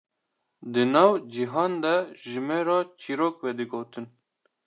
di nav cihan de ji me re çîrok vedigotin